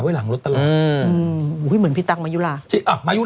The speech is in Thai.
ปีคืนดีกันแล้ว